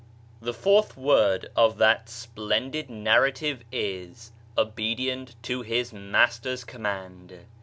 The fourth word of that splendid narrative is, "obedient to his master's command."